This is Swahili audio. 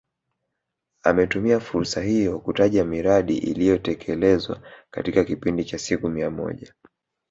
Ametumia fursa hiyo kutaja miradi iliyotekelezwa katika kipindi cha siku mia moja